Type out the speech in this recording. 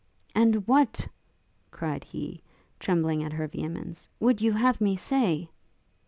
'And what,' cried he, trembling at her vehemence, 'would you have me say?'